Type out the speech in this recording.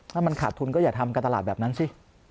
ถ้ามันขาดทุนก็อย่าทำการตลาดแบบนั้นสิ